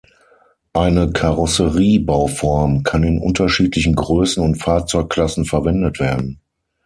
Eine Karosseriebauform kann in unterschiedlichen Größen und Fahrzeugklassen verwendet werden.